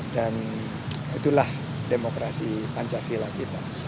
dan itulah demokrasi pancasila kita